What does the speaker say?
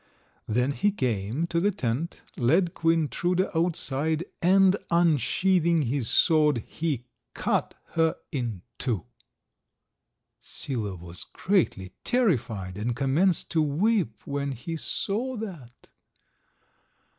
Then he came to the tent, led Queen Truda outside, and unsheathing his sword he cut her in two. Sila was greatly terrified, and commenced to weep when he saw that.